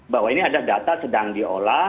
bahwa ini ada data sedang diolah